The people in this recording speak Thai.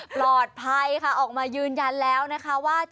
ปลอดภัยค่ะออกมายืนยันแล้วนะคะว่า